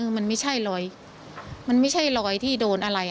มันไม่ใช่รอยมันไม่ใช่รอยที่โดนอะไร